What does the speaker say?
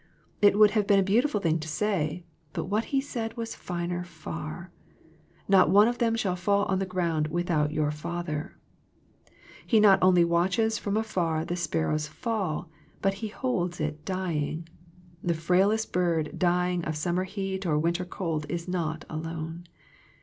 It would have been a beautiful thing to say, but what He said was finer far, " not one of them shall fall on the ground without your Father." He not only watches from afar the sparrow's fall, but He holds it dying. The frailest bird dying of summer heat or winter cold is not alone.